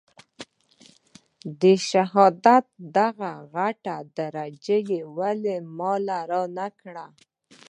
د شهادت دغه غټه درجه يې ولې ما له رانه کړه.